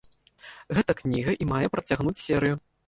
Гэтая кніга і мае працягнуць серыю.